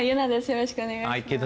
よろしくお願いします。